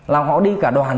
là họ đi cả đoàn